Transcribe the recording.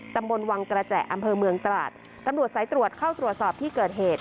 ตำบลวังกระแจอำเภอเมืองตราดตำรวจสายตรวจเข้าตรวจสอบที่เกิดเหตุ